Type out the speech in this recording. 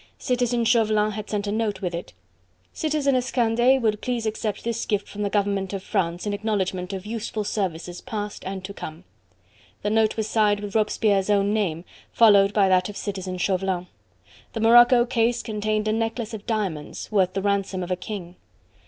Citizen Chauvelin had sent a note with it. "Citizeness Candeille will please accept this gift from the government of France in acknowledgment of useful services past and to come." The note was signed with Robespierre's own name, followed by that of Citizen Chauvelin. The morocco case contained a necklace of diamonds worth the ransom of a king.